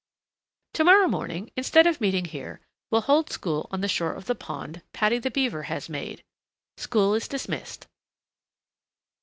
Tomorrow morning, instead of meeting here, we'll hold school on the shore of the pond Paddy the Beaver has made. School is dismissed."